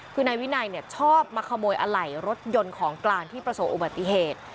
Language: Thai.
คือนายวินัยชอบมาขโมยอะไหล่รถยนต์ของกลางที่ประสบอุบัติเหตุ